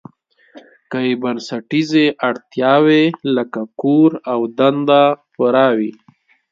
که یې بنسټیزې اړتیاوې لکه کور او دنده پوره وي.